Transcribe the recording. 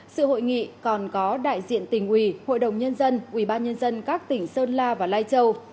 sự hội nghị còn có đại diện tỉnh ủy hội đồng nhân dân ủy ban nhân dân các tỉnh sơn la và lai châu